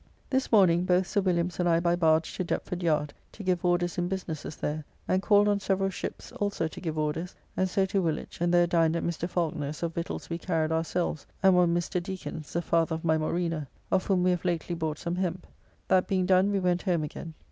This morning, both Sir Williams and I by barge to Deptford yard to give orders in businesses there; and called on several ships, also to give orders, and so to Woolwich, and there dined at Mr. Falconer's of victuals we carried ourselves, and one Mr. Dekins, the father of my Morena, of whom we have lately bought some hemp. That being done we went home again.